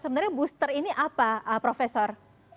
sebenarnya booster ini apa profesor